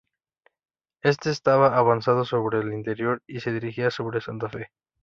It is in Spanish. Éste estaba avanzando sobre el interior y se dirigía sobre Santa Fe.